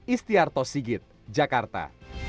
istiarto sigit jakarta